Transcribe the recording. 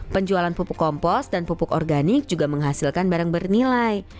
penjualan pupuk kompos dan pupuk organik juga menghasilkan barang bernilai